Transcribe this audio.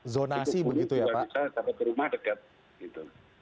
cukup pulih juga bisa sampai ke rumah dekat